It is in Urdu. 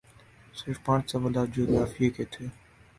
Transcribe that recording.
صرف پانچ سوالات جغرافیے کے تھے